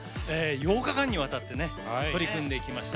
６日間にわたって取り組んできました。